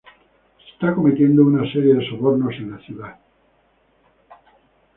Se están cometiendo una serie de sobornos en la ciudad.